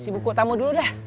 si buku tamu dulu dah